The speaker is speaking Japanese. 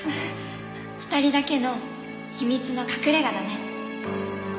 ２人だけの秘密の隠れ家だね。